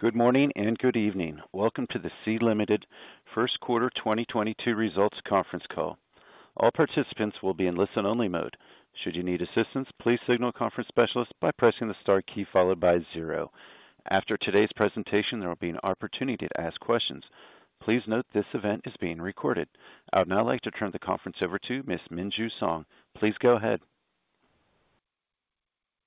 Good morning and good evening. Welcome to the Sea Limited First Quarter 2022 Results Conference Call. All participants will be in listen-only mode. Should you need assistance, please signal a conference specialist by pressing the star key followed by zero. After today's presentation, there will be an opportunity to ask questions. Please note this event is being recorded. I would now like to turn the conference over to Ms. Minju Song. Please go ahead.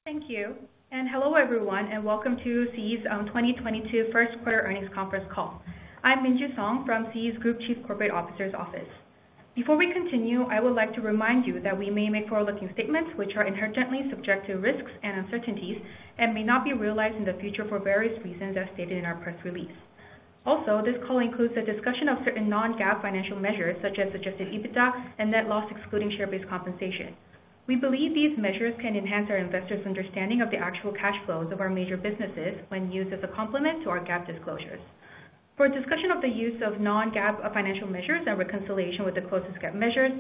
Thank you. Hello, everyone, and welcome to Sea's 2022 first quarter earnings conference call. I'm Minju Song from Sea's Group Chief Corporate Officer's office. Before we continue, I would like to remind you that we may make forward-looking statements which are inherently subject to risks and uncertainties and may not be realized in the future for various reasons as stated in our press release. Also, this call includes a discussion of certain non-GAAP financial measures, such as adjusted EBITDA and net loss excluding share-based compensation. We believe these measures can enhance our investors' understanding of the actual cash flows of our major businesses when used as a complement to our GAAP disclosures. For a discussion of the use of non-GAAP financial measures and reconciliation with the closest GAAP measures,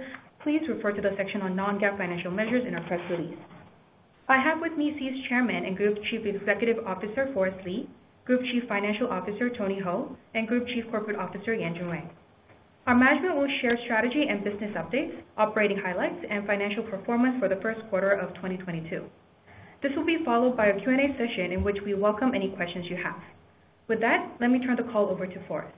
please refer to the section on non-GAAP financial measures in our press release. I have with me Sea's Chairman and Group Chief Executive Officer, Forrest Li, Group Chief Financial Officer, Tony Hou, and Group Chief Corporate Officer, Yanjun Wang. Our management will share strategy and business updates, operating highlights, and financial performance for the first quarter of 2022. This will be followed by a Q&A session in which we welcome any questions you have. With that, let me turn the call over to Forrest.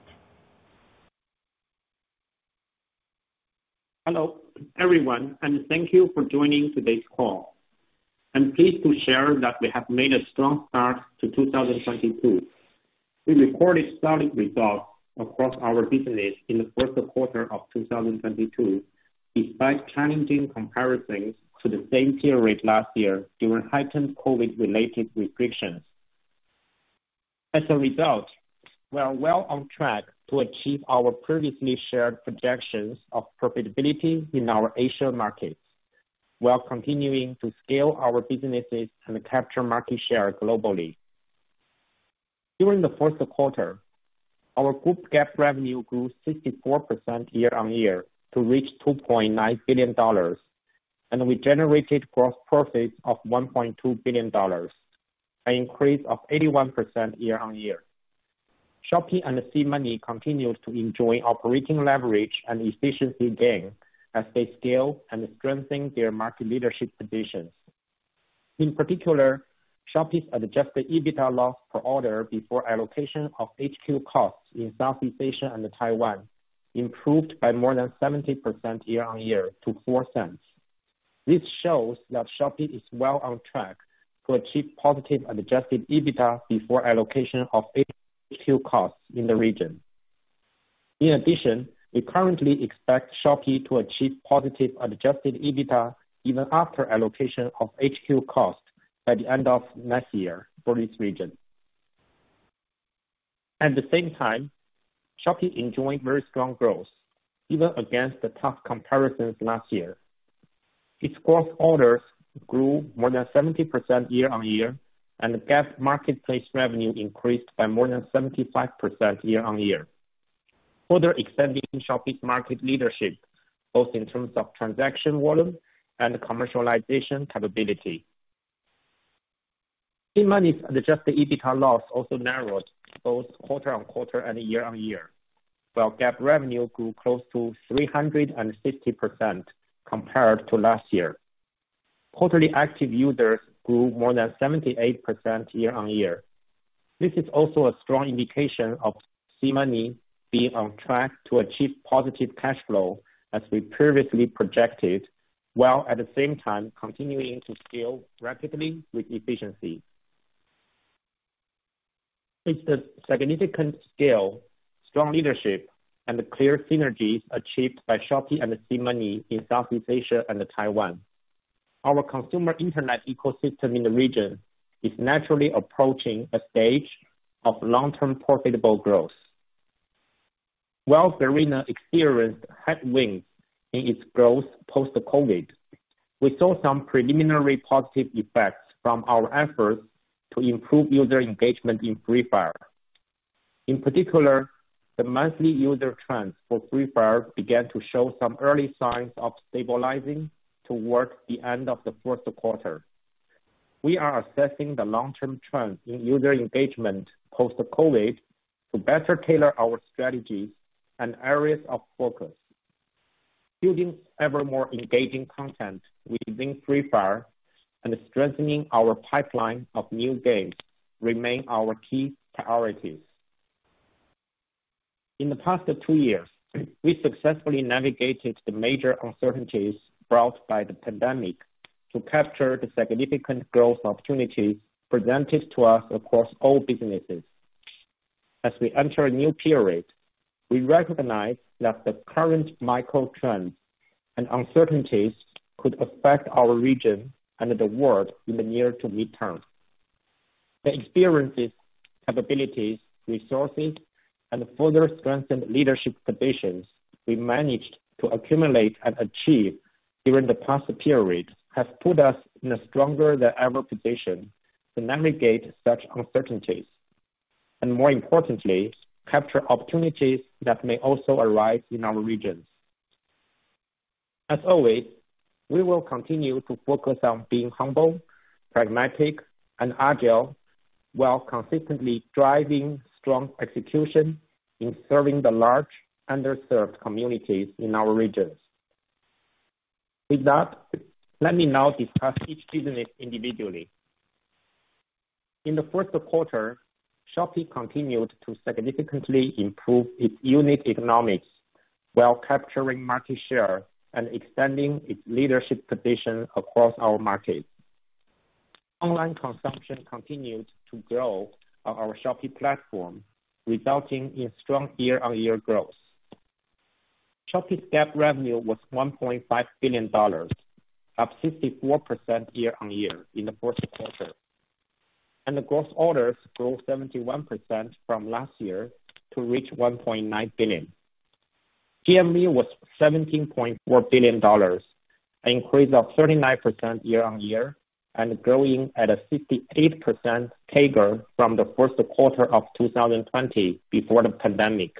Hello, everyone, and thank you for joining today's call. I'm pleased to share that we have made a strong start to 2022. We recorded solid results across our business in the first quarter of 2022, despite challenging comparisons to the same period last year during heightened COVID-related restrictions. As a result, we are well on track to achieve our previously shared projections of profitability in our Asia markets, while continuing to scale our businesses and capture market share globally. During the first quarter, our group GAAP revenue grew 64% year-on-year to reach $2.9 billion, and we generated gross profits of $1.2 billion, an increase of 81% year-on-year. Shopee and SeaMoney continued to enjoy operating leverage and efficiency gain as they scale and strengthen their market leadership positions. In particular, Shopee's adjusted EBITDA loss per order before allocation of HQ costs in Southeast Asia and Taiwan improved by more than 70% year-on-year to $0.04. This shows that Shopee is well on track to achieve positive adjusted EBITDA before allocation of HQ costs in the region. In addition, we currently expect Shopee to achieve positive adjusted EBITDA even after allocation of HQ cost by the end of next year for this region. At the same time, Shopee enjoyed very strong growth, even against the tough comparisons last year. Its gross orders grew more than 70% year-on-year, and the GAAP marketplace revenue increased by more than 75% year-on-year. Further extending Shopee's market leadership, both in terms of transaction volume and commercialization capability. SeaMoney's adjusted EBITDA loss also narrowed both quarter-over-quarter and year-over-year, while GAAP revenue grew close to 350% compared to last year. Quarterly active users grew more than 78% year-over-year. This is also a strong indication of SeaMoney being on track to achieve positive cash flow as we previously projected, while at the same time continuing to scale rapidly with efficiency. With the significant scale, strong leadership, and clear synergies achieved by Shopee and SeaMoney in Southeast Asia and Taiwan, our consumer internet ecosystem in the region is naturally approaching a stage of long-term profitable growth. While Garena experienced headwinds in its growth post-COVID, we saw some preliminary positive effects from our efforts to improve user engagement in Free Fire. In particular, the monthly user trends for Free Fire began to show some early signs of stabilizing towards the end of the first quarter. We are assessing the long-term trends in user engagement post-COVID to better tailor our strategy and areas of focus. Building ever more engaging content within Free Fire and strengthening our pipeline of new games remain our key priorities. In the past two years, we successfully navigated the major uncertainties brought by the pandemic to capture the significant growth opportunities presented to us across all businesses. As we enter a new period, we recognize that the current micro trends and uncertainties could affect our region and the world in the near to mid-term. The experiences, capabilities, resources, and further strengthened leadership positions we managed to accumulate and achieve during the past period has put us in a stronger than ever position to navigate such uncertainties, and more importantly, capture opportunities that may also arise in our regions. As always, we will continue to focus on being humble, pragmatic, and agile, while consistently driving strong execution in serving the large underserved communities in our regions. With that, let me now discuss each business individually. In the first quarter, Shopee continued to significantly improve its unit economics while capturing market share and extending its leadership position across our market. Online consumption continued to grow on our Shopee platform, resulting in strong year-on-year growth. Shopee's GAAP revenue was $1.5 billion, up 64% year-on-year in the first quarter, and the gross orders grew 71% from last year to reach 1.9 billion. GMV was $17.4 billion, an increase of 39% year-on-year and growing at a 58% CAGR from the first quarter of 2020 before the pandemic.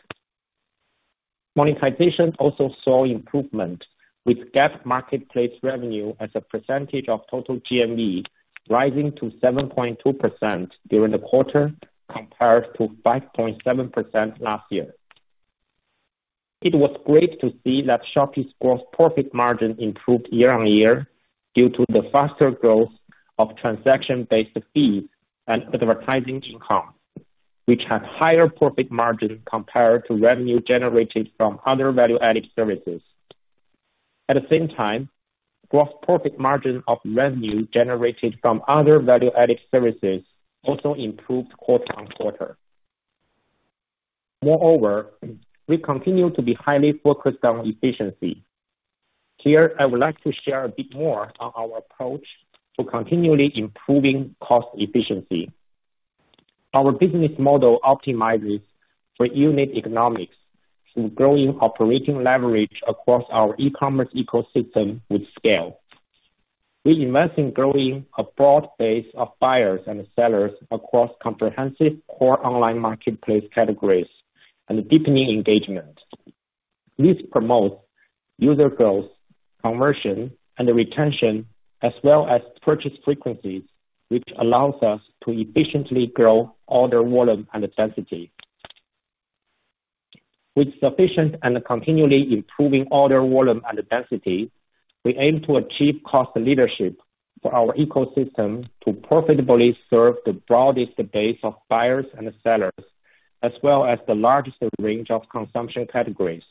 Monetization also saw improvement with GAAP marketplace revenue as a percentage of total GMV rising to 7.2% during the quarter, compared to 5.7% last year. It was great to see that Shopee's gross profit margin improved year-on-year due to the faster growth of transaction-based fees and advertising income, which had higher profit margin compared to revenue generated from other value-added services. At the same time, gross profit margin of revenue generated from other value-added services also improved quarter-over-quarter. Moreover, we continue to be highly focused on efficiency. Here, I would like to share a bit more on our approach to continually improving cost efficiency. Our business model optimizes for unit economics through growing operating leverage across our e-commerce ecosystem with scale. We invest in growing a broad base of buyers and sellers across comprehensive core online marketplace categories and deepening engagement. This promotes user growth, conversion, and retention, as well as purchase frequencies, which allows us to efficiently grow order volume and density. With sufficient and continually improving order volume and density, we aim to achieve cost leadership for our ecosystem to profitably serve the broadest base of buyers and sellers, as well as the largest range of consumption categories.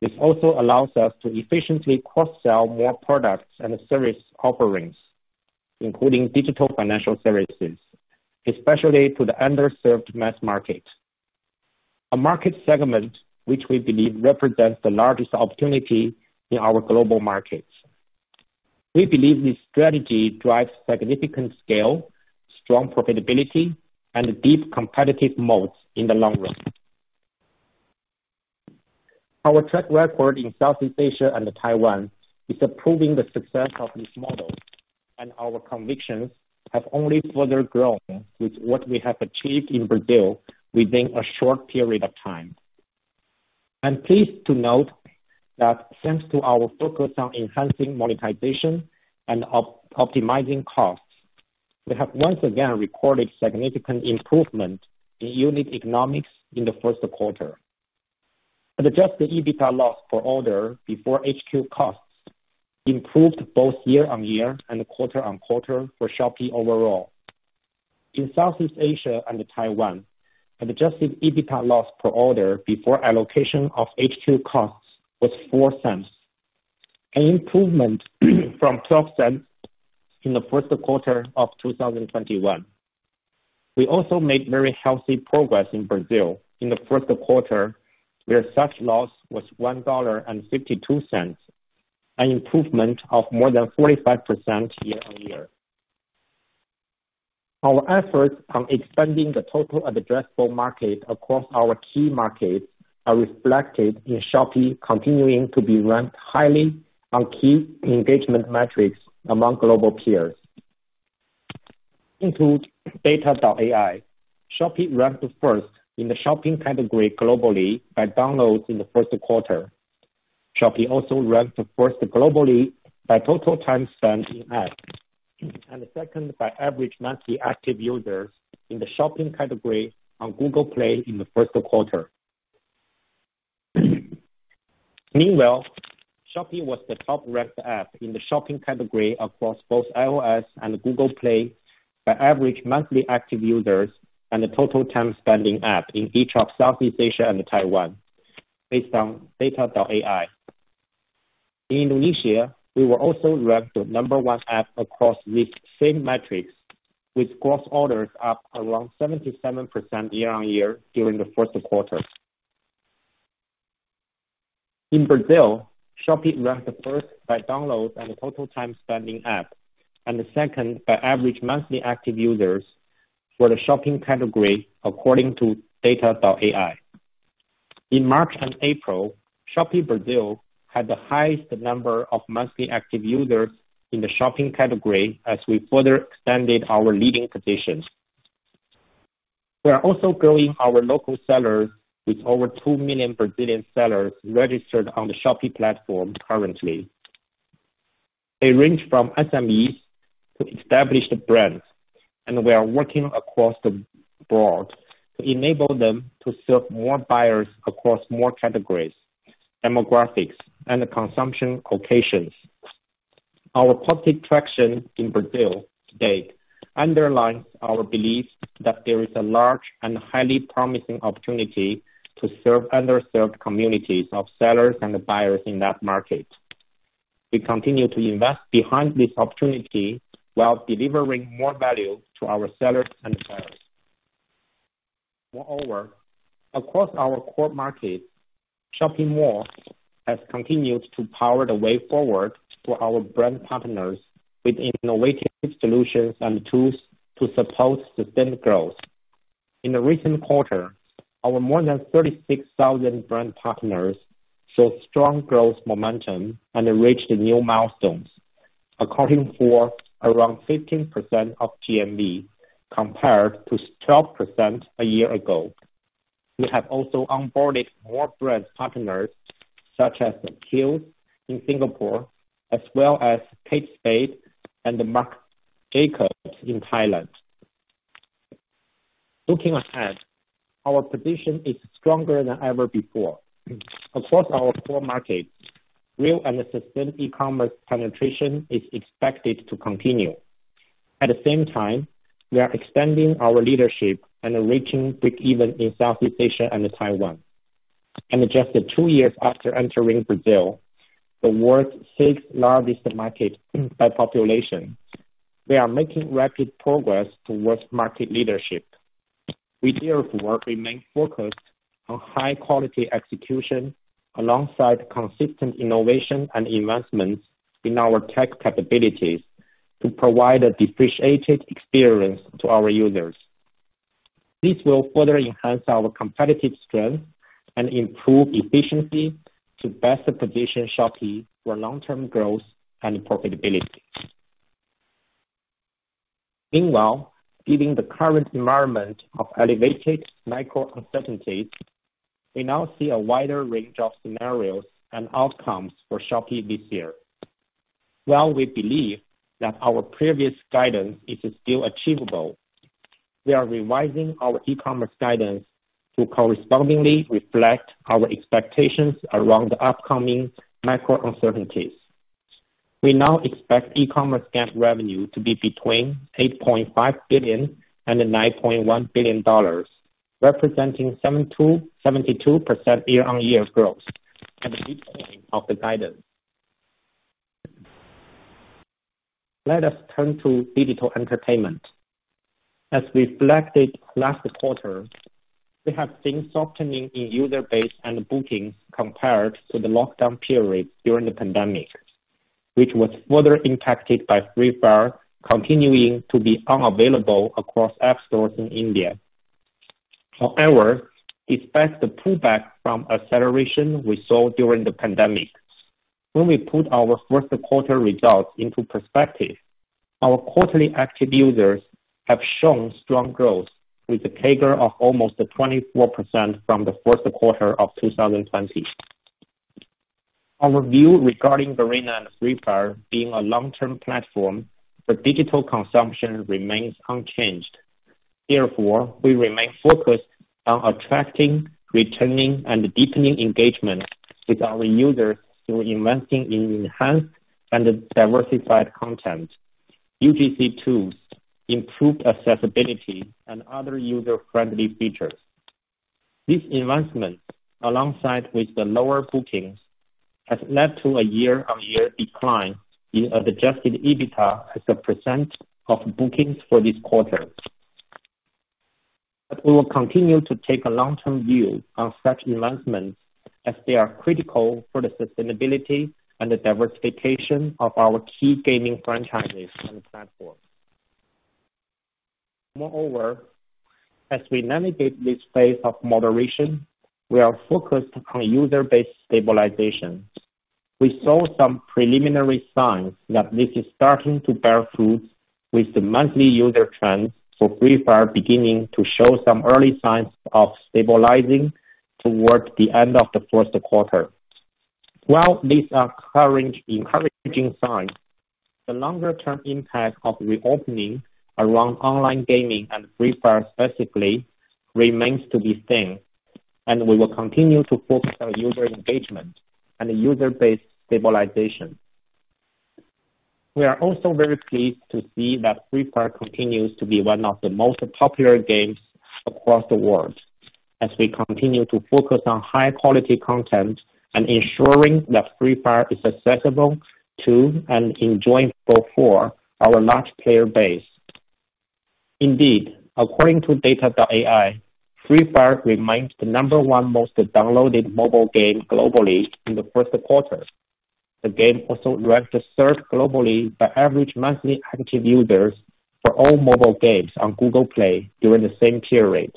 This also allows us to efficiently cross-sell more products and service offerings, including digital financial services, especially to the underserved mass market, a market segment which we believe represents the largest opportunity in our global markets. We believe this strategy drives significant scale, strong profitability, and deep competitive moats in the long run. Our track record in Southeast Asia and Taiwan is proving the success of this model, and our convictions have only further grown with what we have achieved in Brazil within a short period of time. I'm pleased to note that thanks to our focus on enhancing monetization and optimizing costs, we have once again recorded significant improvement in unit economics in the first quarter. The adjusted EBITDA loss per order before HQ costs improved both year-on-year and quarter-on-quarter for Shopee overall. In Southeast Asia and Taiwan, adjusted EBITDA loss per order before allocation of HQ costs was $0.04, an improvement from $0.12 in the first quarter of 2021. We also made very healthy progress in Brazil in the first quarter, where such loss was $1.52, an improvement of more than 45% year-on-year. Our efforts on expanding the total addressable market across our key markets are reflected in Shopee continuing to be ranked highly on key engagement metrics among global peers. Include data.ai. Shopee ranked first in the shopping category globally by downloads in the first quarter. Shopee also ranked first globally by total time spent in-app, and second by average monthly active users in the shopping category on Google Play in the first quarter. Meanwhile, Shopee was the top-ranked app in the shopping category across both iOS and Google Play by average monthly active users and the total time spent in-app in each of Southeast Asia and Taiwan based on data.ai. In Indonesia, we were also ranked the number one app across these same metrics, with gross orders up around 77% year-on-year during the first quarter. In Brazil, Shopee ranked first by downloads and total time spent in-app, and second by average monthly active users for the shopping category, according to data.ai. In March and April, Shopee Brazil had the highest number of monthly active users in the shopping category as we further extended our leading position. We are also growing our local sellers with over 2 million Brazilian sellers registered on the Shopee platform currently. They range from SMEs to established brands, and we are working across the board to enable them to serve more buyers across more categories, demographics and consumption occasions. Our positive traction in Brazil today underlines our belief that there is a large and highly promising opportunity to serve underserved communities of sellers and buyers in that market. We continue to invest behind this opportunity while delivering more value to our sellers and buyers. Moreover, across our core markets, Shopee Mall has continued to power the way forward for our brand partners with innovative solutions and tools to support sustained growth. In the recent quarter, our more than 36,000 brand partners saw strong growth momentum and reached new milestones, accounting for around 15% of GMV compared to 12% a year ago. We have also onboarded more brand partners such as Hill's in Singapore as well as Kate Spade and Marc Jacobs in Thailand. Looking ahead, our position is stronger than ever before. Across our core markets, real and sustained e-commerce penetration is expected to continue. At the same time, we are extending our leadership and reaching breakeven in Southeast Asia and Taiwan. Just 2 years after entering Brazil, the world's sixth-largest market by population, we are making rapid progress towards market leadership. We therefore remain focused on high quality execution alongside consistent innovation and investments in our tech capabilities to provide a differentiated experience to our users. This will further enhance our competitive strength and improve efficiency to best position Shopee for long term growth and profitability. Meanwhile, given the current environment of elevated macro uncertainties, we now see a wider range of scenarios and outcomes for Shopee this year. While we believe that our previous guidance is still achievable, we are revising our e-commerce guidance to correspondingly reflect our expectations around the upcoming macro uncertainties. We now expect e-commerce GAAP revenue to be between $8.5 billion and $9.1 billion, representing 72% year-on-year growth at the midpoint of the guidance. Let us turn to digital entertainment. As reflected last quarter, we have seen softening in user base and bookings compared to the lockdown period during the pandemic, which was further impacted by Free Fire continuing to be unavailable across app stores in India. However, despite the pullback from acceleration we saw during the pandemic, when we put our first quarter results into perspective, our quarterly active users have shown strong growth with a CAGR of almost 24% from the fourth quarter of 2020. Our view regarding Garena and Free Fire being a long term platform for digital consumption remains unchanged. Therefore, we remain focused on attracting, retaining, and deepening engagement with our users through investing in enhanced and diversified content, UGC tools, improved accessibility and other user-friendly features. This investment, alongside with the lower bookings, has led to a year-on-year decline in Adjusted EBITDA as a percent of bookings for this quarter. We will continue to take a long term view on such investments as they are critical for the sustainability and the diversification of our key gaming franchises and platform. Moreover, as we navigate this phase of moderation, we are focused on user-based stabilization. We saw some preliminary signs that this is starting to bear fruit, with the monthly user trend for Free Fire beginning to show some early signs of stabilizing towards the end of the first quarter. While these are encouraging signs, the longer term impact of reopening around online gaming and Free Fire specifically remains to be seen, and we will continue to focus on user engagement and user-based stabilization. We are also very pleased to see that Free Fire continues to be one of the most popular games across the world as we continue to focus on high quality content and ensuring that Free Fire is accessible to and enjoyable for our large player base. Indeed, according to data.ai, Free Fire remains the number one most downloaded mobile game globally in the first quarter. The game also ranked third globally by average monthly active users for all mobile games on Google Play during the same period.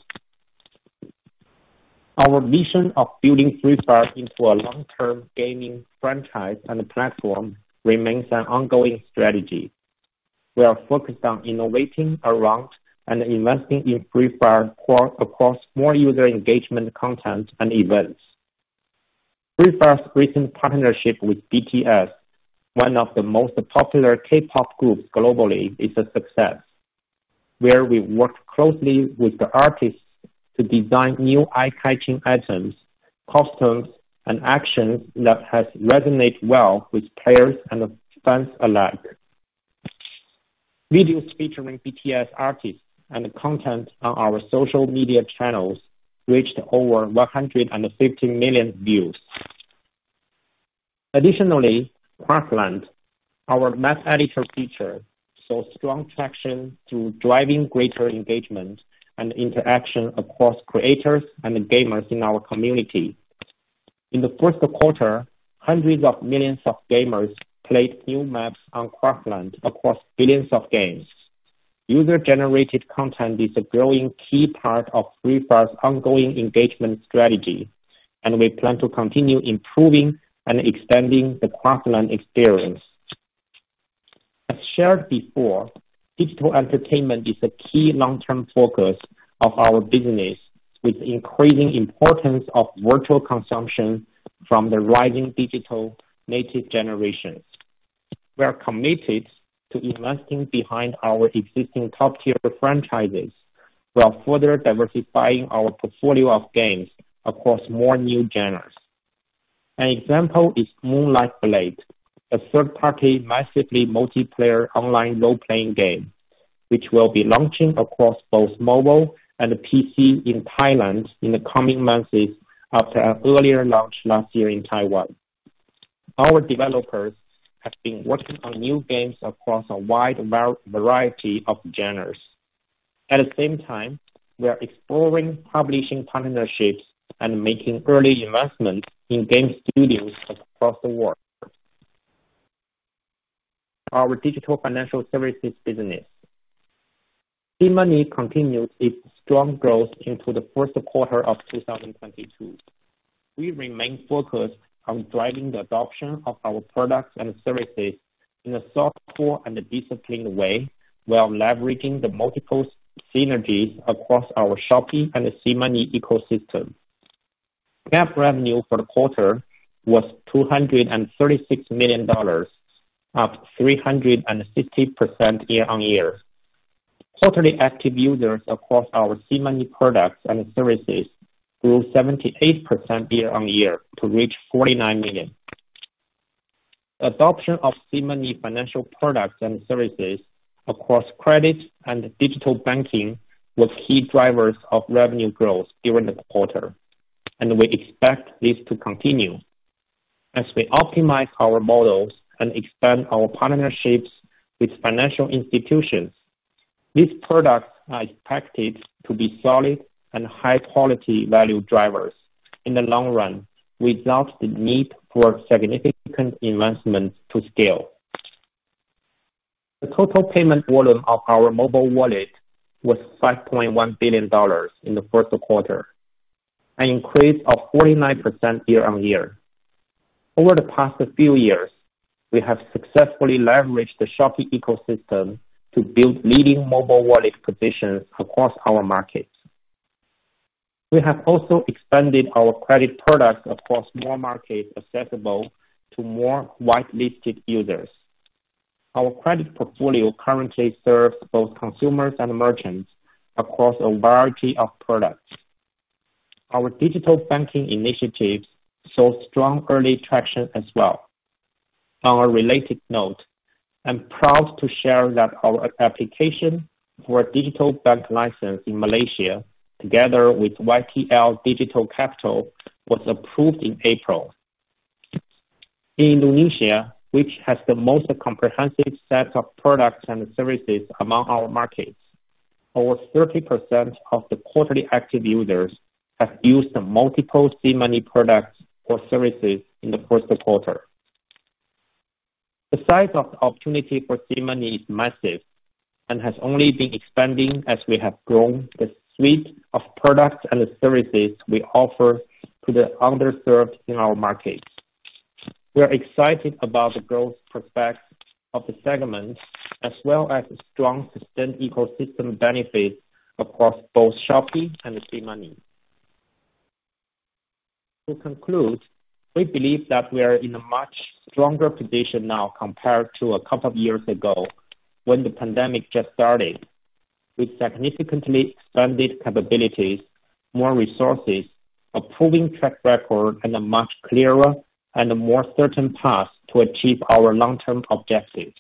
Our mission of building Free Fire into a long-term gaming franchise and a platform remains an ongoing strategy. We are focused on innovating around and investing in Free Fire across more user engagement content and events. Free Fire's recent partnership with BTS, one of the most popular K-pop groups globally, is a success, where we worked closely with the artists to design new eye-catching items, costumes, and actions that has resonate well with players and fans alike. Videos featuring BTS artists and content on our social media channels reached over 150 million views. Additionally, Craftland, our map editor feature, saw strong traction through driving greater engagement and interaction across creators and gamers in our community. In the first quarter, hundreds of millions of gamers played new maps on Craftland across billions of games. User-generated content is a growing key part of Free Fire's ongoing engagement strategy, and we plan to continue improving and extending the Craftland experience. As shared before, digital entertainment is a key long-term focus of our business, with increasing importance of virtual consumption from the rising digital native generations. We are committed to investing behind our existing top-tier franchises, while further diversifying our portfolio of games across more new genres. An example is Moonlight Blade, a third-party, massively multiplayer online role-playing game, which will be launching across both mobile and PC in Thailand in the coming months after an earlier launch last year in Taiwan. Our developers have been working on new games across a wide variety of genres. At the same time, we are exploring publishing partnerships and making early investments in game studios across the world. Our digital financial services business, SeaMoney, continues its strong growth into the first quarter of 2022. We remain focused on driving the adoption of our products and services in a thoughtful and a disciplined way, while leveraging the multiple synergies across our Shopee and SeaMoney ecosystem. GAAP revenue for the quarter was $236 million, up 360% year-on-year. Quarterly active users across our SeaMoney products and services grew 78% year-on-year to reach 49 million. Adoption of SeaMoney financial products and services across credit and digital banking was key drivers of revenue growth during the quarter, and we expect this to continue. As we optimize our models and expand our partnerships with financial institutions, these products are expected to be solid and high-quality value drivers in the long run, without the need for significant investments to scale. The total payment volume of our mobile wallet was $5.1 billion in the first quarter, an increase of 49% year-on-year. Over the past few years, we have successfully leveraged the Shopee ecosystem to build leading mobile wallet positions across our markets. We have also expanded our credit products across more markets accessible to more whitelisted users. Our credit portfolio currently serves both consumers and merchants across a variety of products. Our digital banking initiatives saw strong early traction as well. On a related note, I'm proud to share that our application for a digital bank license in Malaysia, together with YTL Digital Capital, was approved in April. In Indonesia, which has the most comprehensive set of products and services among our markets, over 30% of the quarterly active users have used multiple SeaMoney products or services in the first quarter. The size of the opportunity for SeaMoney is massive and has only been expanding as we have grown the suite of products and services we offer to the underserved in our markets. We are excited about the growth prospects of the segment, as well as the strong system ecosystem benefits across both Shopee and SeaMoney. To conclude, we believe that we are in a much stronger position now compared to a couple of years ago when the pandemic just started. We significantly expanded capabilities, more resources, a proven track record, and a much clearer and a more certain path to achieve our long-term objectives.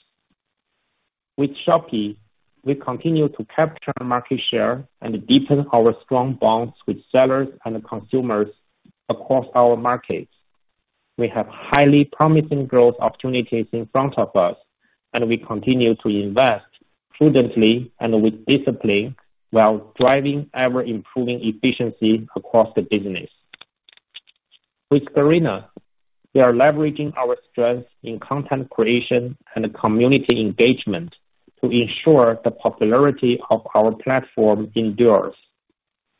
With Shopee, we continue to capture market share and deepen our strong bonds with sellers and consumers across our markets. We have highly promising growth opportunities in front of us, and we continue to invest prudently and with discipline while driving ever-improving efficiency across the business. With Garena, we are leveraging our strength in content creation and community engagement to ensure the popularity of our platform endures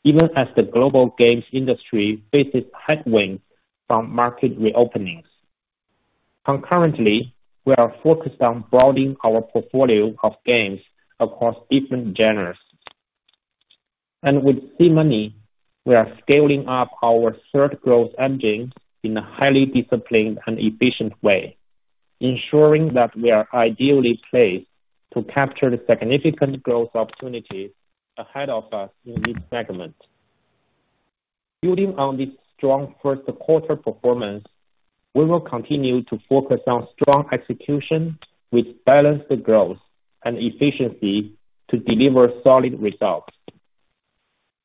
even as the global games industry faces headwinds from market reopenings. Concurrently, we are focused on broadening our portfolio of games across different genres. With SeaMoney, we are scaling up our third growth engine in a highly disciplined and efficient way, ensuring that we are ideally placed to capture the significant growth opportunities ahead of us in this segment. Building on this strong first quarter performance, we will continue to focus on strong execution with balanced growth and efficiency to deliver solid results.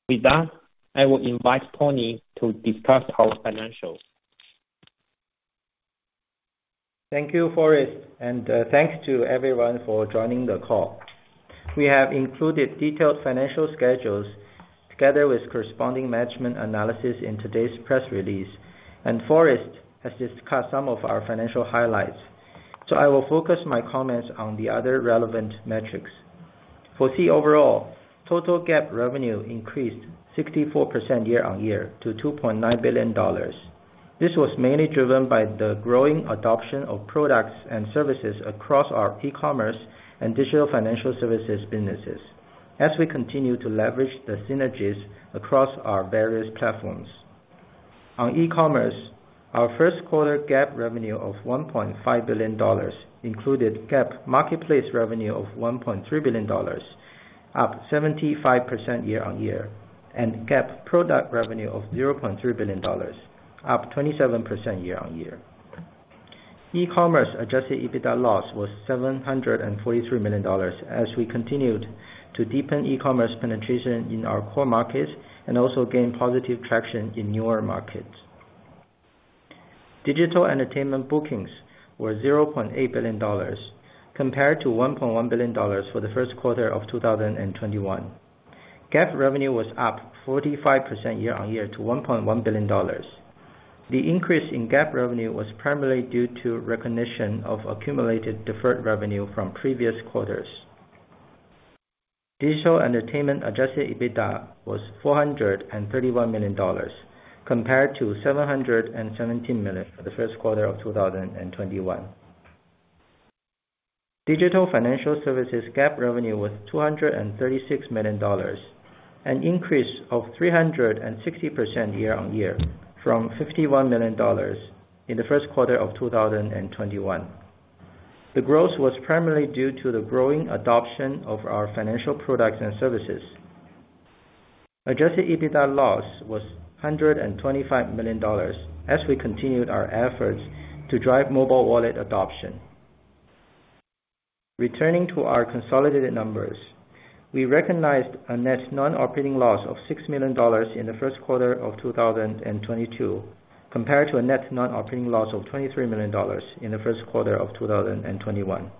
With that, I will invite Tony to discuss our financials. Thank you, Forrest, and thanks to everyone for joining the call. We have included detailed financial schedules together with corresponding management analysis in today's press release, and Forrest has discussed some of our financial highlights. I will focus my comments on the other relevant metrics. For Sea overall, total GAAP revenue increased 64% year-on-year to $2.9 billion. This was mainly driven by the growing adoption of products and services across our e-commerce and digital financial services businesses as we continue to leverage the synergies across our various platforms. On e-commerce, our first quarter GAAP revenue of $1.5 billion included GAAP marketplace revenue of $1.3 billion, up 75% year-on-year, and GAAP product revenue of $0.3 billion, up 27% year-on-year. E-commerce adjusted EBITDA loss was $743 million as we continued to deepen e-commerce penetration in our core markets and also gain positive traction in newer markets. Digital entertainment bookings were $0.8 billion compared to $1.1 billion for the first quarter of 2021. GAAP revenue was up 45% year-on-year to $1.1 billion. The increase in GAAP revenue was primarily due to recognition of accumulated deferred revenue from previous quarters. Digital entertainment adjusted EBITDA was $431 million, compared to $717 million for the first quarter of 2021. Digital financial services GAAP revenue was $236 million, an increase of 360% year-on-year from $51 million in the first quarter of 2021. The growth was primarily due to the growing adoption of our financial products and services. Adjusted EBITDA loss was $125 million as we continued our efforts to drive mobile wallet adoption. Returning to our consolidated numbers, we recognized a net non-operating loss of $6 million in the first quarter of 2022, compared to a net non-operating loss of $23 million in the first quarter of 2021.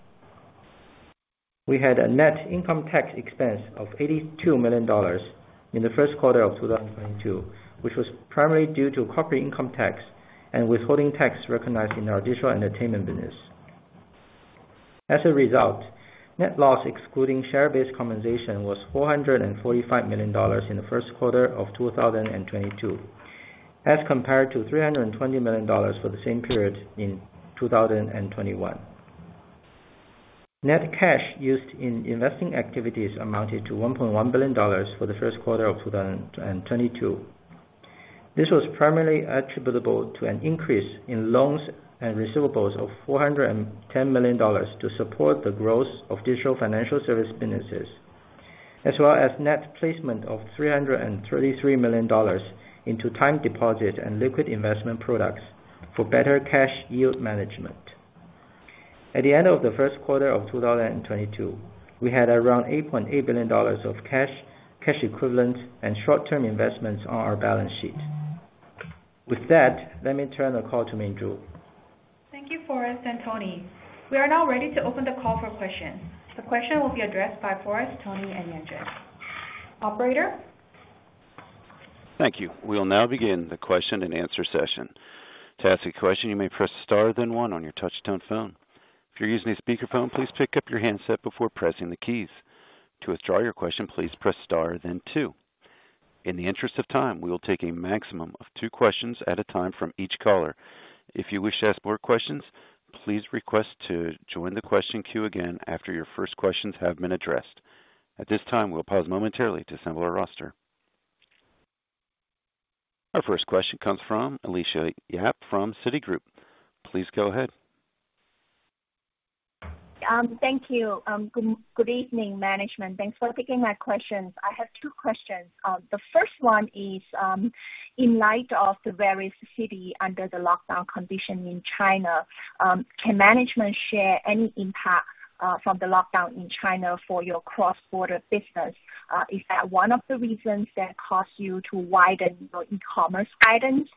We had a net income tax expense of $82 million in the first quarter of 2022, which was primarily due to corporate income tax and withholding tax recognized in our digital entertainment business. As a result, net loss excluding share-based compensation was $445 million in the first quarter of 2022, as compared to $320 million for the same period in 2021. Net cash used in investing activities amounted to $1.1 billion for the first quarter of 2022. This was primarily attributable to an increase in loans and receivables of $410 million to support the growth of digital financial service businesses, as well as net placement of $333 million into time deposit and liquid investment products for better cash yield management. At the end of the first quarter of 2022, we had around $8.8 billion of cash equivalents, and short-term investments on our balance sheet. With that, let me turn the call to Minju. Thank you, Forrest and Tony. We are now ready to open the call for questions. The question will be addressed by Forrest, Tony, and Yanjun. Operator? Thank you. We will now begin the question and answer session. To ask a question, you may press star then one on your touch tone phone. If you're using a speakerphone, please pick up your handset before pressing the keys. To withdraw your question, please press star then two. In the interest of time, we will take a maximum of two questions at a time from each caller. If you wish to ask more questions, please request to join the question queue again after your first questions have been addressed. At this time, we'll pause momentarily to assemble our roster. Our first question comes from Alicia Yap from Citigroup. Please go ahead. Thank you. Good evening, management. Thanks for taking my questions. I have two questions. The first one is, in light of the various cities under the lockdown conditions in China, can management share any impact from the lockdown in China for your cross-border business? Is that one of the reasons that caused you to widen your e-commerce guidance?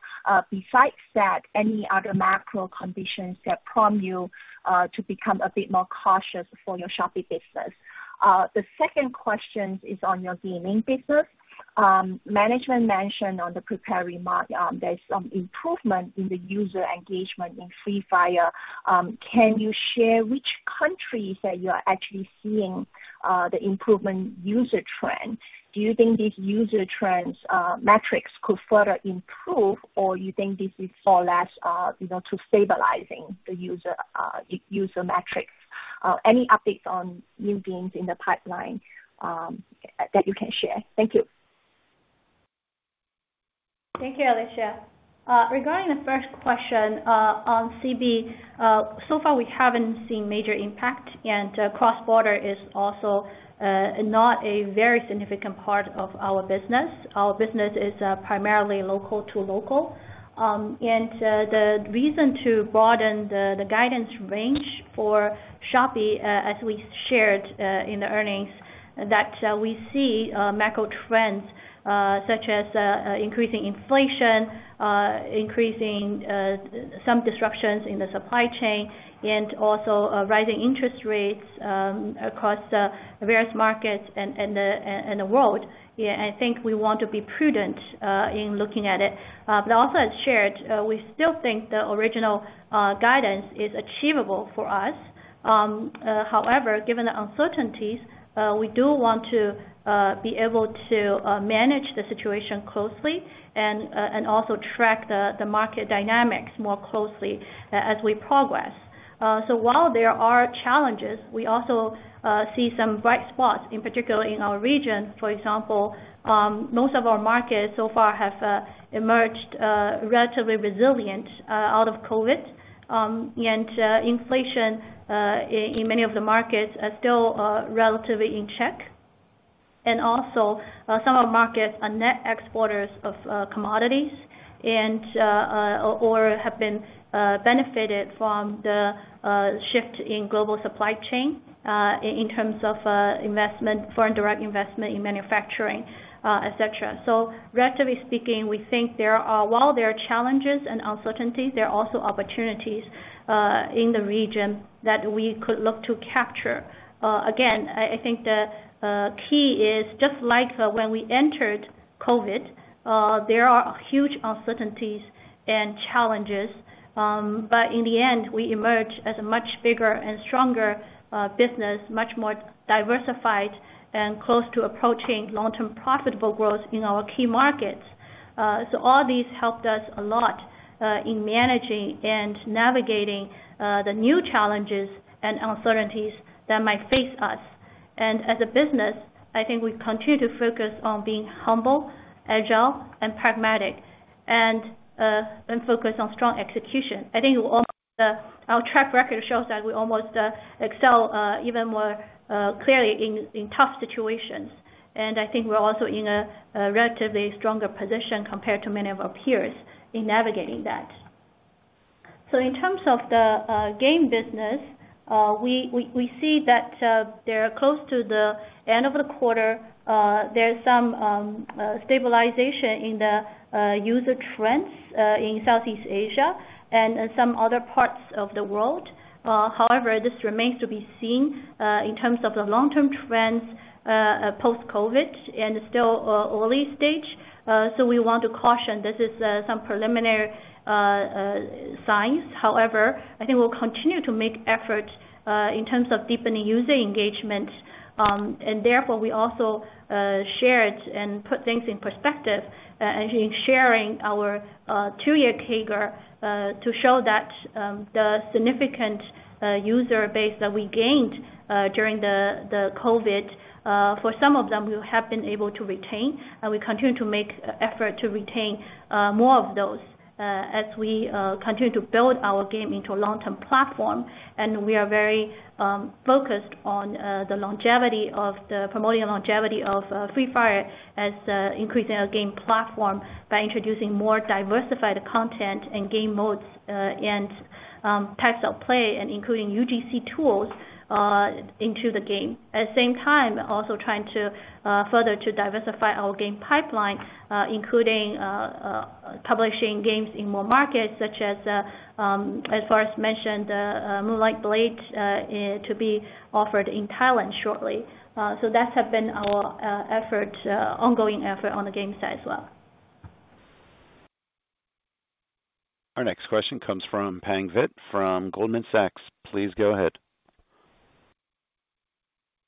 Besides that, any other macro conditions that prompt you to become a bit more cautious for your shopping business? The second question is on your gaming business. Management mentioned in the prepared remarks, there's some improvement in the user engagement in Free Fire. Can you share which countries that you are actually seeing the improvement user trend? Do you think these user trends, metrics could further improve, or you think this is more or less, you know, to stabilizing the user metrics? Any updates on new games in the pipeline that you can share? Thank you. Thank you, Alicia. Regarding the first question on cross-border, so far we haven't seen major impact and cross-border is also not a very significant part of our business. Our business is primarily local to local. The reason to broaden the guidance range for Shopee as we shared in the earnings that we see macro trends such as increasing inflation, increasing some disruptions in the supply chain and also rising interest rates across various markets and the world. Yeah. I think we want to be prudent in looking at it. Also as shared, we still think the original guidance is achievable for us. However, given the uncertainties, we do want to be able to manage the situation closely and also track the market dynamics more closely as we progress. So while there are challenges, we also see some bright spots in particular in our region. For example, most of our markets so far have emerged relatively resilient out of COVID. Inflation in many of the markets are still relatively in check. Some of our markets are net exporters of commodities and/or have been benefited from the shift in global supply chain in terms of investment, foreign direct investment in manufacturing, et cetera. Relatively speaking, we think while there are challenges and uncertainties, there are also opportunities in the region that we could look to capture. Again, I think the key is just like when we entered COVID, there are huge uncertainties and challenges. In the end, we emerge as a much bigger and stronger business, much more diversified and close to approaching long-term profitable growth in our key markets. All these helped us a lot in managing and navigating the new challenges and uncertainties that might face us. As a business, I think we continue to focus on being humble, agile and pragmatic and focus on strong execution. I think also our track record shows that we almost excel even more clearly in tough situations. I think we're also in a relatively stronger position compared to many of our peers in navigating that. In terms of the game business, we see that they're close to the end of the quarter. There's some stabilization in the user trends in Southeast Asia and some other parts of the world. However, this remains to be seen in terms of the long-term trends post-COVID and still early stage. We want to caution this is some preliminary signs. However, I think we'll continue to make efforts in terms of deepening user engagement. Therefore we also shared and put things in perspective in sharing our two-year CAGR to show that the significant user base that we gained during the COVID for some of them we have been able to retain, and we continue to make effort to retain more of those as we continue to build our game into a long-term platform. We are very focused on promoting the longevity of Free Fire and increasing our game platform by introducing more diversified content and game modes and types of play and including UGC tools into the game. At the same time, also trying to further to diversify our game pipeline, including publishing games in more markets such as far as mentioned, Moonlight Blade to be offered in Thailand shortly. That has been our ongoing effort on the game side as well. Our next question comes from Pang Vitt from Goldman Sachs. Please go ahead.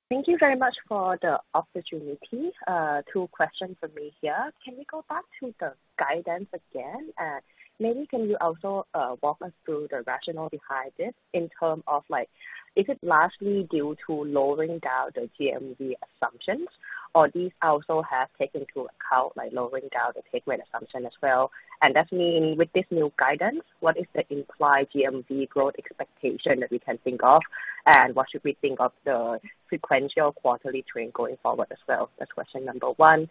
Thank you very much for the opportunity. Two questions for me here. Can we go back to the guidance again? Maybe can you also walk us through the rationale behind this in terms of like, is it largely due to lowering down the GMV assumptions? These also have taken into account like lowering down the take rate assumption as well? Does it mean with this new guidance, what is the implied GMV growth expectation that we can think of? What should we think of the sequential quarterly trend going forward as well? That's question number one.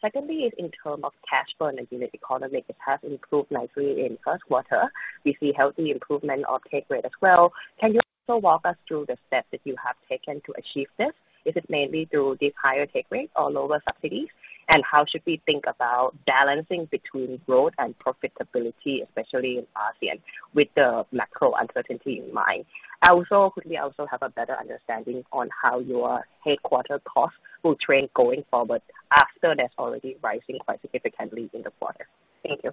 Secondly is in terms of cash flow and unit economy, it has improved nicely in first quarter. We see healthy improvement of take rate as well. Can you also walk us through the steps that you have taken to achieve this? Is it mainly through these higher take rates or lower subsidies? How should we think about balancing between growth and profitability, especially in ASEAN, with the macro uncertainty in mind? Also, could we also have a better understanding on how your headquarters costs will trend going forward after that's already rising quite significantly in the quarter? Thank you.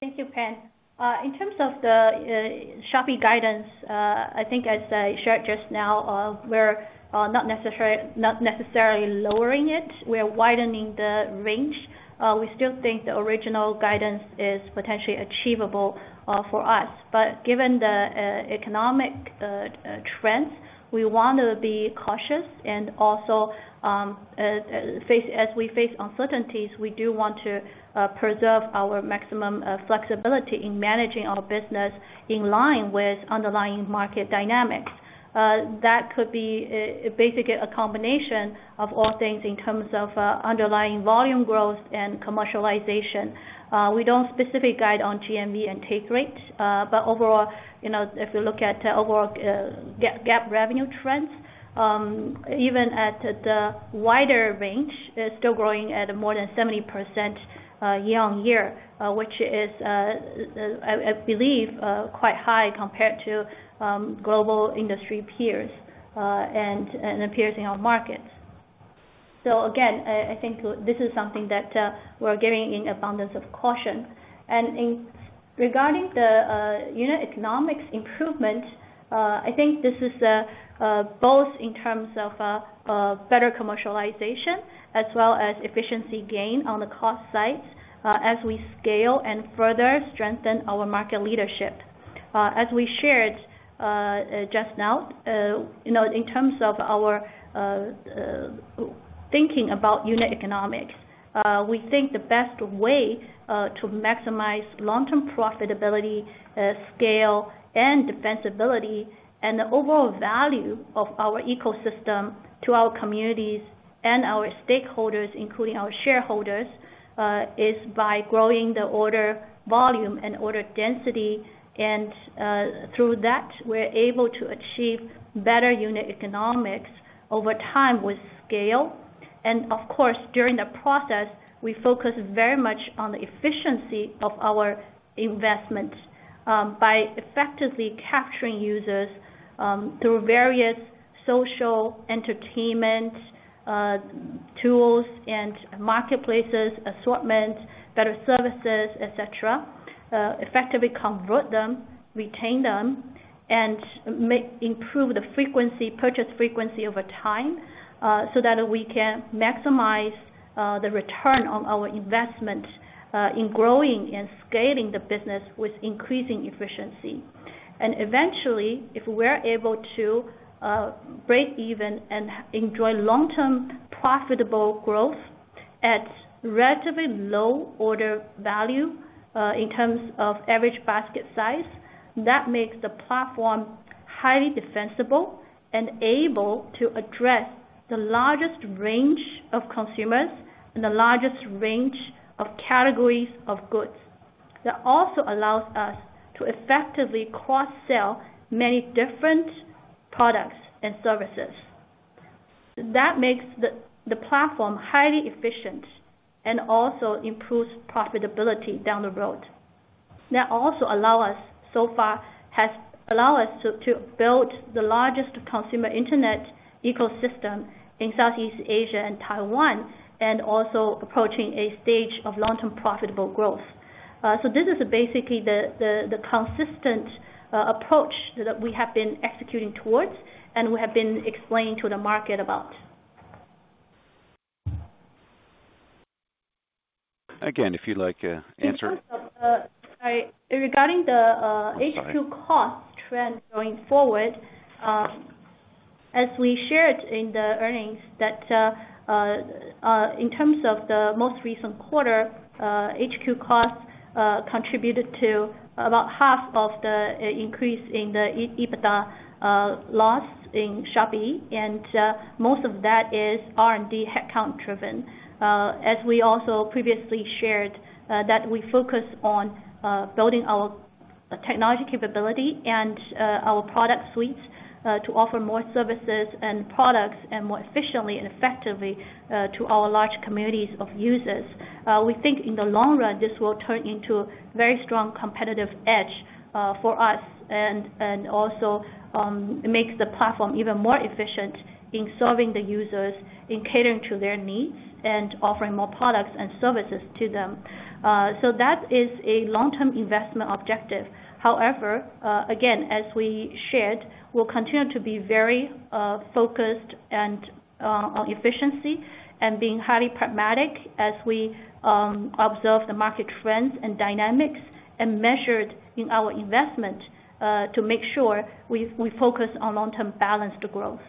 Thank you, Pang Vitt. In terms of the Shopee guidance, I think as I shared just now, we're not necessarily lowering it. We are widening the range. We still think the original guidance is potentially achievable for us. Given the economic trends, we wanna be cautious and also, as we face uncertainties, we do want to preserve our maximum flexibility in managing our business in line with underlying market dynamics. That could be basically a combination of all things in terms of underlying volume growth and commercialization. We don't specifically guide on GMV and take rates. Overall, you know, if you look at overall GAAP revenue trends, even at the wider range, they're still growing at more than 70% year-on-year, which is, I believe, quite high compared to global industry peers, and peers in our markets. Again, I think this is something that we're giving an abundance of caution. Regarding the unit economics improvement, I think this is both in terms of better commercialization as well as efficiency gain on the cost side, as we scale and further strengthen our market leadership. As we shared just now, you know, in terms of our thinking about unit economics, we think the best way to maximize long-term profitability, scale, and defensibility and the overall value of our ecosystem to our communities and our stakeholders, including our shareholders, is by growing the order volume and order density. Through that, we're able to achieve better unit economics over time with scale. Of course, during the process, we focus very much on the efficiency of our investment, by effectively capturing users, through various social entertainment tools and marketplaces, assortment, better services, et cetera. Effectively convert them, retain them, and improve the frequency, purchase frequency over time, so that we can maximize the return on our investment in growing and scaling the business with increasing efficiency. Eventually, if we're able to break even and enjoy long-term profitable growth at relatively low order value, in terms of average basket size, that makes the platform highly defensible and able to address the largest range of consumers and the largest range of categories of goods. That also allows us to effectively cross-sell many different products and services. That makes the platform highly efficient and also improves profitability down the road. That also allows us, so far has allowed us to build the largest consumer internet ecosystem in Southeast Asia and Taiwan, and also approaching a stage of long-term profitable growth. This is basically the consistent approach that we have been executing towards and we have been explaining to the market about. Again, if you'd like to answer. Regarding the headcount cost trend going forward, as we shared in the earnings that in terms of the most recent quarter, headcount costs contributed to about half of the increase in the EBITDA loss in Shopee. Most of that is R&D headcount driven. As we also previously shared, that we focus on building our technology capability and our product suites to offer more services and products and more efficiently and effectively to our large communities of users. We think in the long run, this will turn into a very strong competitive edge for us and also makes the platform even more efficient in serving the users, in catering to their needs and offering more products and services to them. That is a long-term investment objective. However, again, as we shared, we'll continue to be very focused and on efficiency and being highly pragmatic as we observe the market trends and dynamics and measured in our investment to make sure we focus on long-term balanced growth.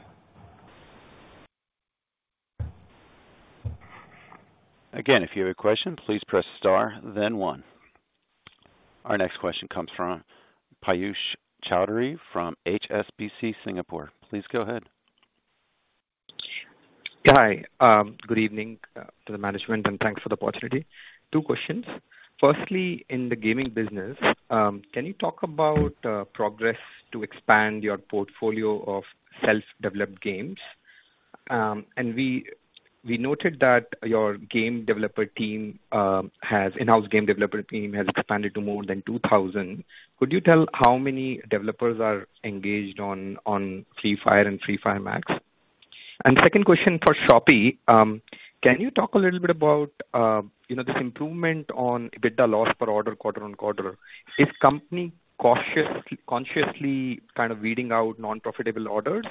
Again, if you have a question, please press star then one. Our next question comes from Piyush Choudhary from HSBC Singapore. Please go ahead. Hi. Good evening to the management, and thanks for the opportunity. Two questions. Firstly, in the gaming business, can you talk about progress to expand your portfolio of self-developed games? We noted that your in-house game developer team has expanded to more than 2,000. Could you tell how many developers are engaged on Free Fire and Free Fire MAX? Second question for Shopee. Can you talk a little bit about, you know, this improvement on EBITDA loss per order quarter on quarter? Is company consciously kind of weeding out non-profitable orders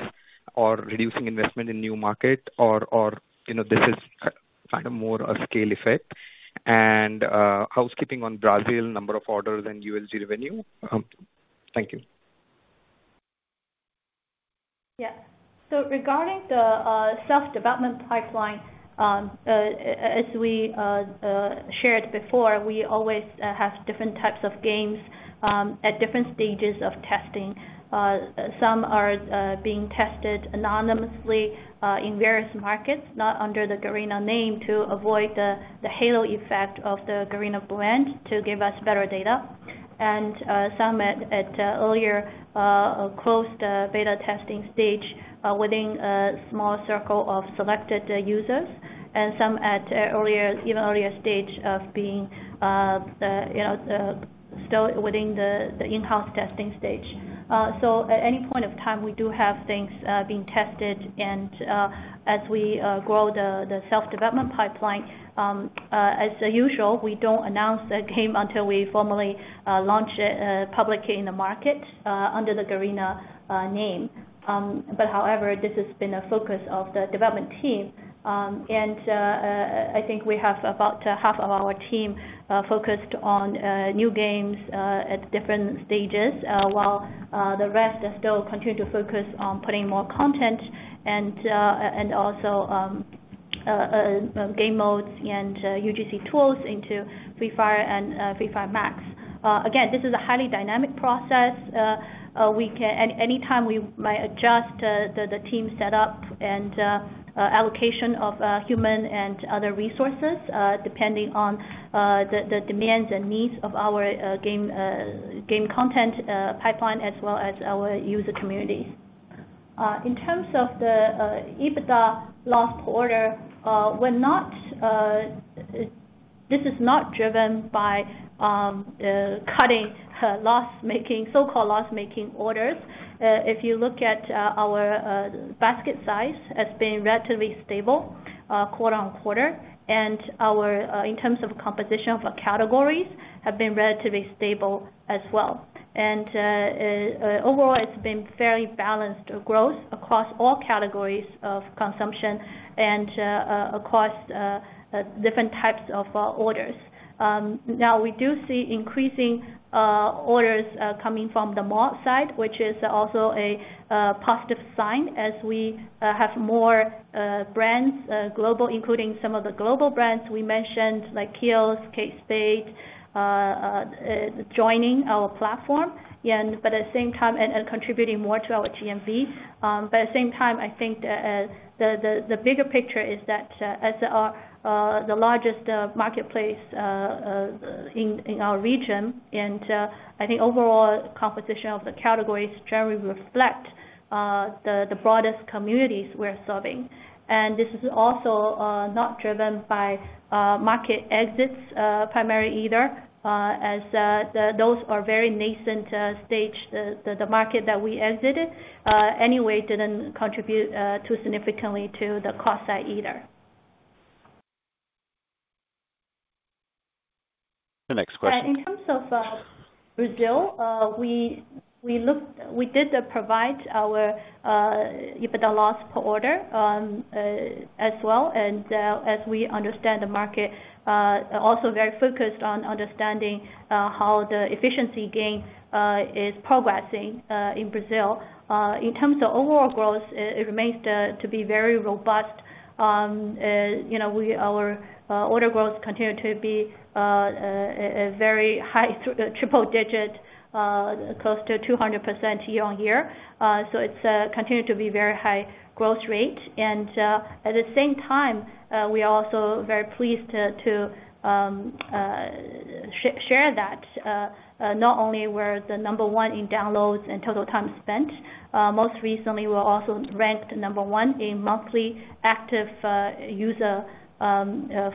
or reducing investment in new market or, you know, this is kind of more a scale effect? Housekeeping on Brazil, number of orders and ULG revenue. Thank you. Yeah. Regarding the self-development pipeline, as we shared before, we always have different types of games at different stages of testing. Some are being tested anonymously in various markets, not under the Garena name to avoid the halo effect of the Garena brand to give us better data. Some at earlier closed beta testing stage within a small circle of selected users and some at even earlier stage of being you know still within the in-house testing stage. At any point of time we do have things being tested and as we grow the self-development pipeline. As usual, we don't announce the game until we formally launch it publicly in the market under the Garena name. However, this has been a focus of the development team. I think we have about half of our team focused on new games at different stages, while the rest are still continuing to focus on putting more content and also game modes and UGC tools into Free Fire and Free Fire MAX. Again, this is a highly dynamic process. At any time we might adjust the team setup and allocation of human and other resources depending on the demands and needs of our game content pipeline as well as our user communities. In terms of the EBITDA loss per order, we're not... This is not driven by cutting loss-making, so-called loss-making orders. If you look at our basket size as being relatively stable quarter-over-quarter, and our in terms of composition of categories have been relatively stable as well. Overall, it's been very balanced growth across all categories of consumption and across different types of orders. Now we do see increasing orders coming from the mall side, which is also a positive sign as we have more global brands, including some of the global brands we mentioned like Kiehl's, Kate Spade joining our platform, but at the same time contributing more to our GMV. At the same time, I think the bigger picture is that as our the largest marketplace in our region, I think overall composition of the categories generally reflect the broadest communities we're serving. This is also not driven by market exits primarily either, as those are very nascent stage. The market that we exited anyway didn't contribute too significantly to the cost side either. The next question. In terms of Brazil, we did provide our EBITDA loss per order, as well. As we understand the market, also very focused on understanding how the efficiency gain is progressing in Brazil. In terms of overall growth, it remains to be very robust. You know, our order growth continued to be a very high triple digit, close to 200% year-on-year. It's continued to be very high growth rate. At the same time, we are also very pleased to share that not only we're the number one in downloads and total time spent, most recently we're also ranked number one in monthly active user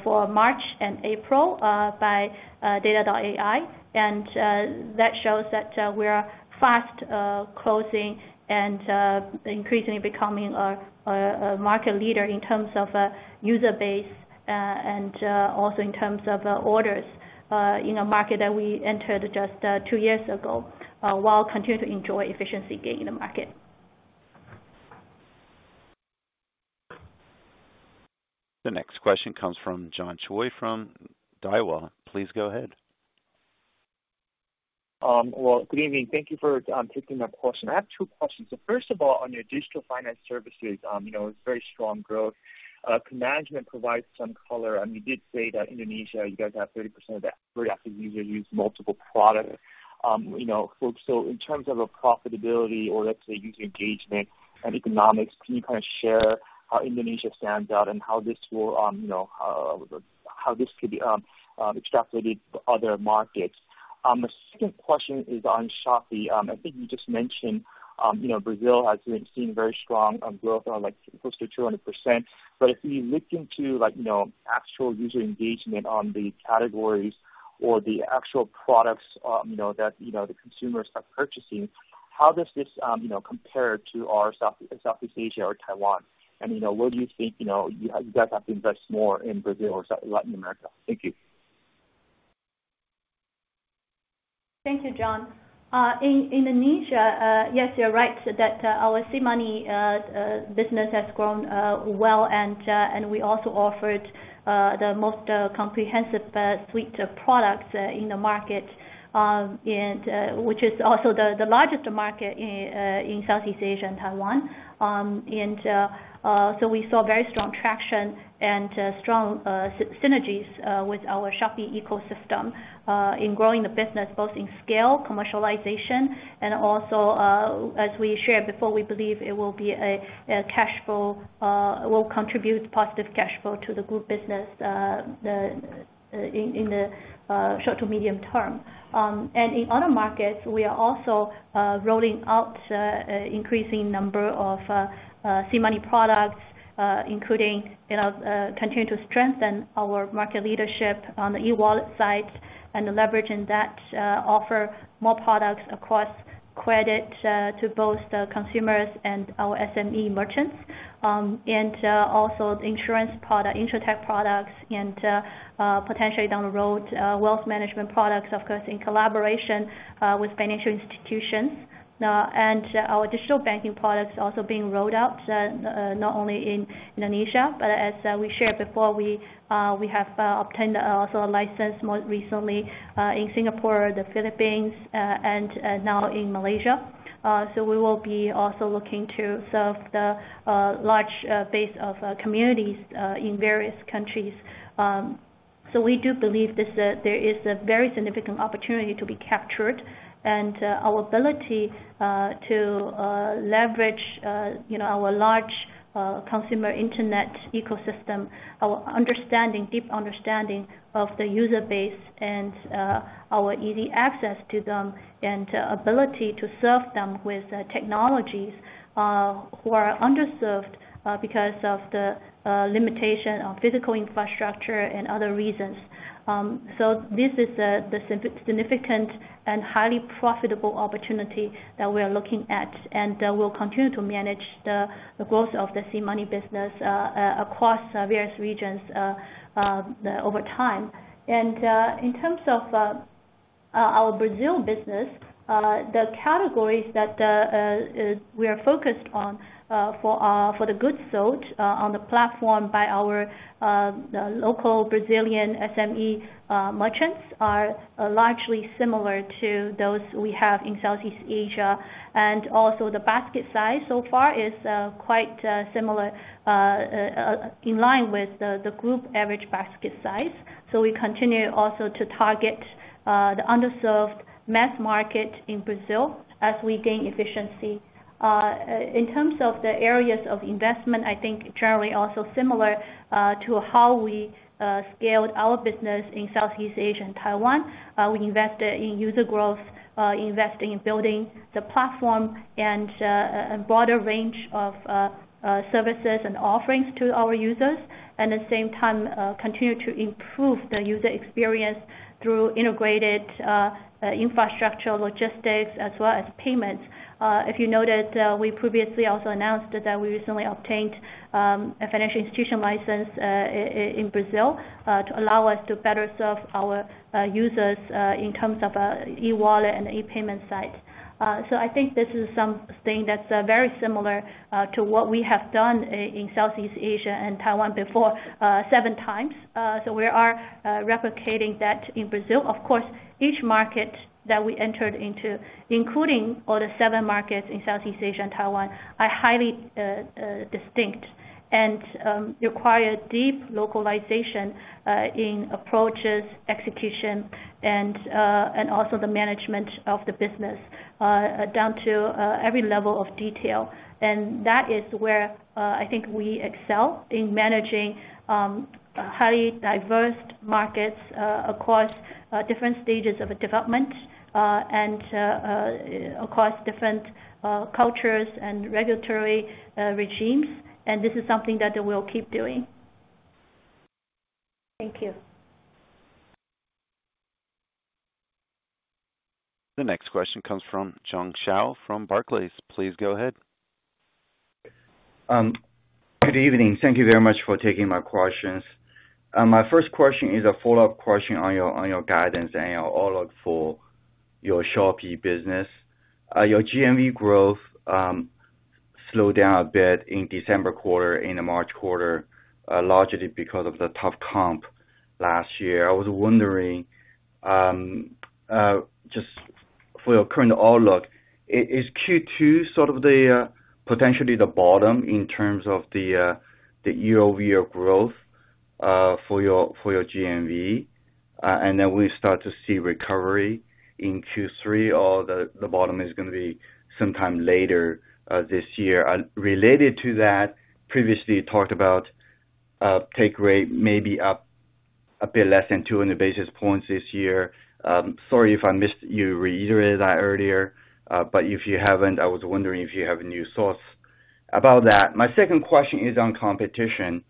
for March and April, by data.ai. That shows that we are fast closing and increasingly becoming a market leader in terms of user base and also in terms of orders, in a market that we entered just two years ago, while continuing to enjoy efficiency gain in the market. The next question comes from John Choi from Daiwa. Please go ahead. Well, good evening. Thank you for taking my question. I have two questions. First of all, on your digital finance services, you know, it's very strong growth. Can management provide some color? I mean, you did say that Indonesia, you guys have 30% of the very active users use multiple products. You know, so in terms of a profitability or let's say user engagement and economics, can you kind of share how Indonesia stands out and how this will, you know, how this could be extrapolated to other markets? The second question is on Shopee. I think you just mentioned, you know, Brazil has been seeing very strong growth on like close to 200%. If we look into like, you know, actual user engagement on the categories or the actual products, you know, that, you know, the consumers are purchasing, how does this, you know, compare to our South, Southeast Asia or Taiwan? You know, where do you think, you know, you guys have to invest more in Brazil or Latin America? Thank you. Thank you, John. In Indonesia, yes, you're right, that our SeaMoney business has grown well, and we also offered the most comprehensive suite of products in the market, and so we saw very strong traction and strong synergies with our Shopee ecosystem in growing the business both in scale, commercialization, and also, as we shared before, we believe it will contribute positive cash flow to the group business in the short to medium term. In other markets, we are also rolling out increasing number of SeaMoney products, including, you know, continuing to strengthen our market leadership on the e-wallet side and leveraging that offer more products across credit to both the consumers and our SME merchants. Also the insurance product, InsurTech products, and potentially down the road wealth management products, of course, in collaboration with financial institutions. Our digital banking products also being rolled out not only in Indonesia, but as we shared before, we have obtained also a license more recently in Singapore, the Philippines, and now in Malaysia. We will be also looking to serve the large base of communities in various countries. We do believe there is a very significant opportunity to be captured, and our ability to leverage, you know, our large consumer internet ecosystem, our deep understanding of the user base and our easy access to them and ability to serve them with the technologies who are underserved because of the limitation of physical infrastructure and other reasons. This is the significant and highly profitable opportunity that we are looking at, and we'll continue to manage the growth of the SeaMoney business across various regions over time. In terms of our Brazil business, the categories that we are focused on for the goods sold on the platform by the local Brazilian SME merchants are largely similar to those we have in Southeast Asia. Also the basket size so far is quite similar in line with the group average basket size. We continue also to target the underserved mass market in Brazil as we gain efficiency. In terms of the areas of investment, I think generally also similar to how we scaled our business in Southeast Asia and Taiwan. We invest in user growth, investing in building the platform and broader range of services and offerings to our users. At the same time, continue to improve the user experience through integrated infrastructure, logistics, as well as payments. If you noted, we previously also announced that we recently obtained a financial institution license in Brazil to allow us to better serve our users in terms of e-wallet and e-payment side. I think this is something that's very similar to what we have done in Southeast Asia and Taiwan before, seven times. We are replicating that in Brazil. Of course, each market that we entered into, including all the seven markets in Southeast Asia and Taiwan, are highly distinct and require deep localization in approaches, execution, and also the management of the business down to every level of detail. That is where I think we excel in managing highly diverse markets across different stages of development and across different cultures and regulatory regimes. This is something that we'll keep doing. Thank you. The next question comes from Jiong Shao from Barclays. Please go ahead. Good evening. Thank you very much for taking my questions. My first question is a follow-up question on your guidance and your outlook for your Shopee business. Your GMV growth slowed down a bit in December quarter, in the March quarter, largely because of the tough comp last year. I was wondering, just for your current outlook, is Q2 sort of potentially the bottom in terms of the year-over-year growth for your GMV? Then we start to see recovery in Q3, or the bottom is gonna be sometime later this year. Related to that, previously you talked about take rate maybe up a bit less than 200 basis points this year. Sorry if I missed you reiterate that earlier. If you haven't, I was wondering if you have any new thoughts about that. My second question is on competition.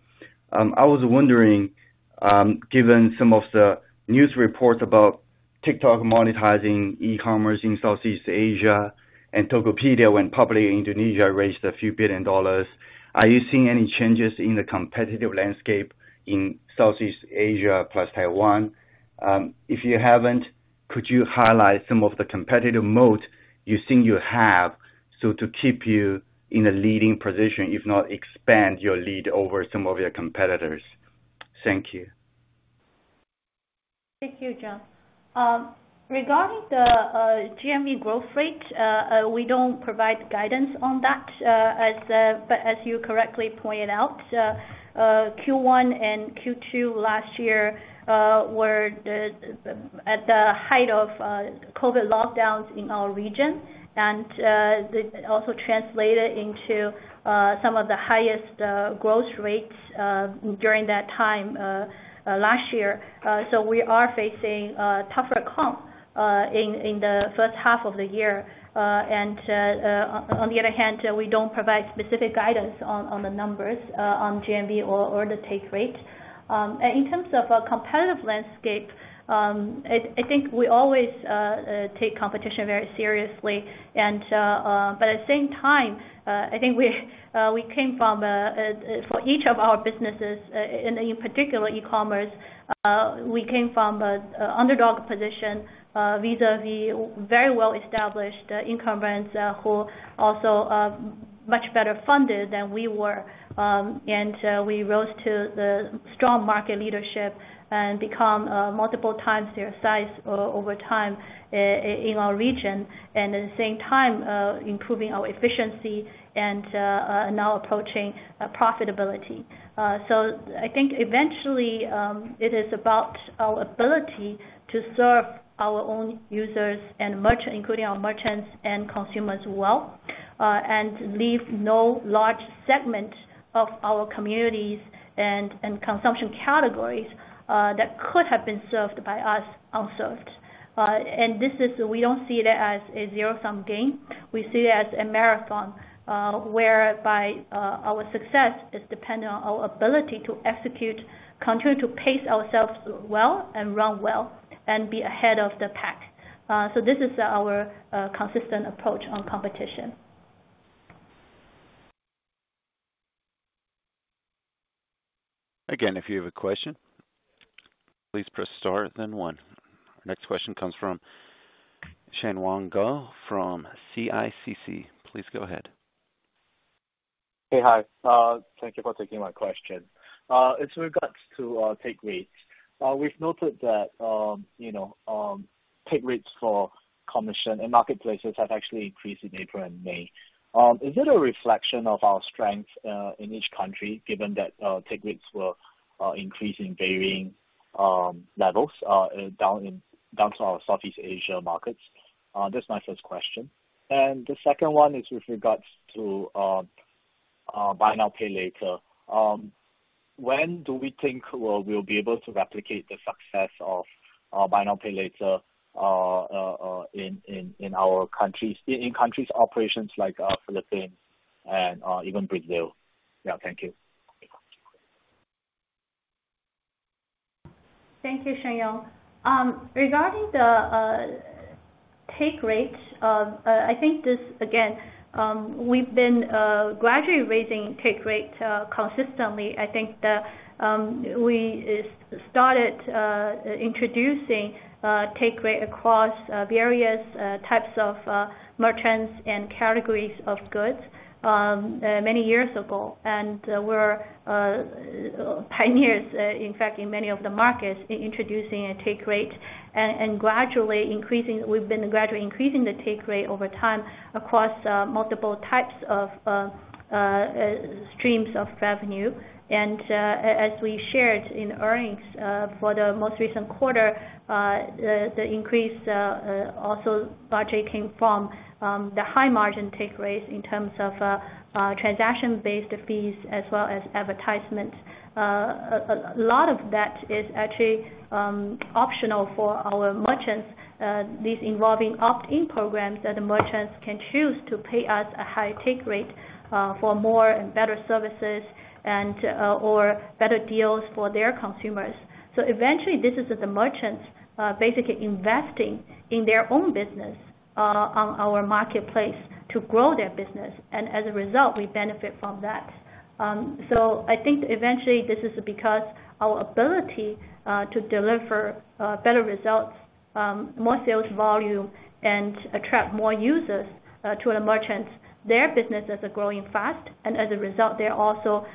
I was wondering, given some of the news reports about TikTok monetizing e-commerce in Southeast Asia and Tokopedia went public in Indonesia, raised a few billion dollars. Are you seeing any changes in the competitive landscape in Southeast Asia plus Taiwan? If you haven't, could you highlight some of the competitive moat you think you have so to keep you in a leading position, if not expand your lead over some of your competitors? Thank you. Thank you, John. Regarding the GMV growth rate, we don't provide guidance on that. But as you correctly pointed out, Q1 and Q2 last year were at the height of COVID lockdowns in our region, and it also translated into some of the highest growth rates during that time last year. So we are facing tougher comp in the first half of the year. On the other hand, we don't provide specific guidance on the numbers on GMV or the take rate. In terms of a competitive landscape, I think we always take competition very seriously. But at the same time, I think we came from a... For each of our businesses, and in particular e-commerce, we came from a underdog position vis-à-vis very well-established incumbents who also much better funded than we were. We rose to the strong market leadership and become multiple times their size over time in our region and at the same time improving our efficiency and now approaching profitability. I think eventually it is about our ability to serve our own users and including our merchants and consumers well and leave no large segment of our communities and consumption categories that could have been served by us unserved. This is. We don't see it as a zero-sum game. We see it as a marathon whereby our success is dependent on our ability to execute, continue to pace ourselves well and run well and be ahead of the pack. This is our consistent approach on competition. Again, if you have a question, please press star, then one. Our next question comes from Shengyong Goh from CICC. Please go ahead. Hey. Hi, thank you for taking my question. It's regards to take rates. We've noted that, you know, take rates for commission and marketplaces have actually increased in April and May. Is it a reflection of our strength in each country, given that take rates were increasing varying levels down south Southeast Asia markets? That's my first question. The second one is with regards to buy now, pay later. When do we think we'll be able to replicate the success of buy now, pay later in countries operations like Philippines and even Brazil? Thank you. Thank you, Shengyong. Regarding the take rate, I think this again, we've been gradually raising take rate consistently. I think that we started introducing take rate across various types of merchants and categories of goods many years ago. We're pioneers in fact in many of the markets introducing a take rate and gradually increasing. We've been gradually increasing the take rate over time across multiple types of revenue streams. As we shared in earnings for the most recent quarter, the increase also largely came from the high margin take rates in terms of transaction-based fees as well as advertisements. A lot of that is actually optional for our merchants, these involving opt-in programs that the merchants can choose to pay us a higher take rate for more and better services and or better deals for their consumers. Eventually, this is the merchants basically investing in their own business on our marketplace to grow their business. As a result, we benefit from that. I think eventually this is because our ability to deliver better results, more sales volume and attract more users to the merchants. Their businesses are growing fast, and as a result, they're also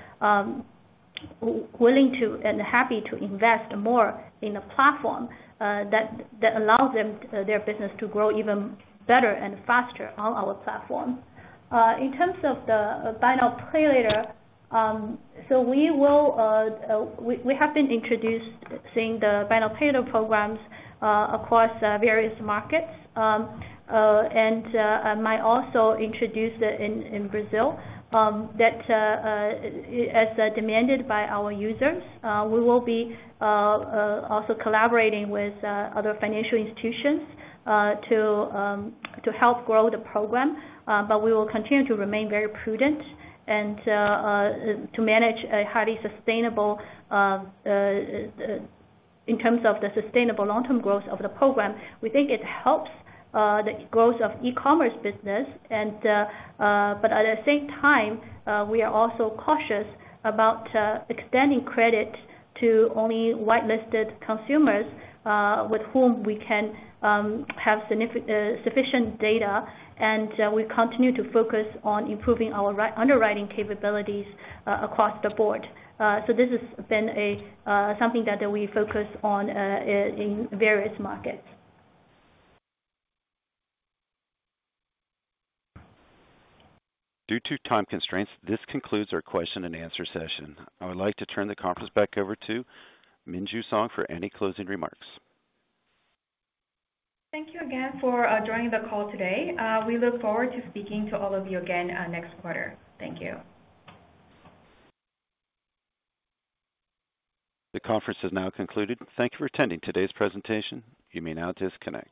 willing to and happy to invest more in a platform that allows them their business to grow even better and faster on our platform. In terms of the buy now, pay later, we have been introducing the buy now, pay later programs across various markets, and I might also introduce it in Brazil as demanded by our users. We will be also collaborating with other financial institutions to help grow the program. We will continue to remain very prudent and to manage highly sustainable long-term growth of the program. We think it helps the growth of e-commerce business and at the same time we are also cautious about extending credit to only whitelisted consumers with whom we can have sufficient data. We continue to focus on improving our underwriting capabilities across the board. This has been something that we focus on in various markets. Due to time constraints, this concludes our question and answer session. I would like to turn the conference back over to Minju Song for any closing remarks. Thank you again for joining the call today. We look forward to speaking to all of you again next quarter. Thank you. The conference is now concluded. Thank you for attending today's presentation. You may now disconnect.